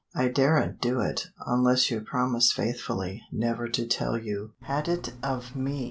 "I daren't do it unless you promise faithfully never to tell you had it of me.